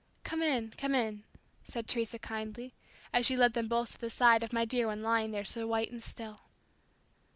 "Come in, come in," said Teresa kindly, as she led them both to the side of my dear one lying there so white and still.